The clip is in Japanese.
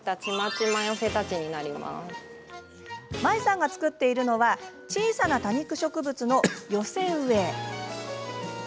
ＭＡｉさんが作っているのは小さな多肉植物の寄せ植え。